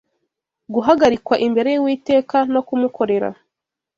guhagarikwa imbere y’Uwiteka no kumukorera